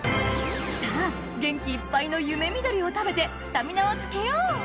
さぁ元気いっぱいのゆめみどりを食べてスタミナをつけよう！